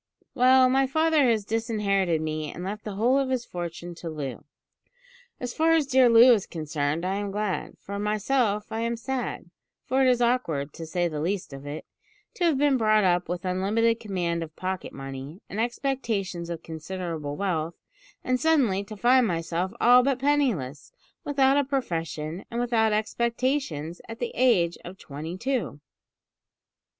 "Well, my father has disinherited me and left the whole of his fortune to Loo. As far as dear Loo is concerned I am glad; for myself I am sad, for it is awkward, to say the least of it, to have been brought up with unlimited command of pocket money, and expectations of considerable wealth, and suddenly to find myself all but penniless, without a profession and without expectations, at the age of twenty two."